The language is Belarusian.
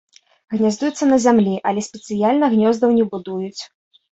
Гняздуюцца на зямлі, але спецыяльна гнёздаў не будуюць.